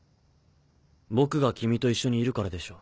僕が君と一緒にいるからでしょ。